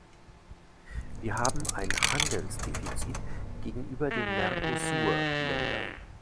Wir haben ein Handelsdefizit gegenüber den Mercosur-Ländern.